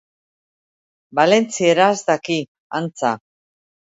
Valentzieraz daki, antza.